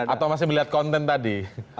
atau masih melihat konten tadi